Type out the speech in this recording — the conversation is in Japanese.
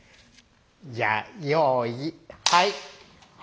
じゃあよいはい。